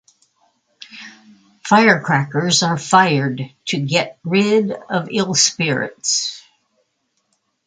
Firecrackers are fired to get rid of ill spirits.